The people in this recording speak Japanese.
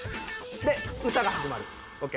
で歌が始まる。ＯＫ？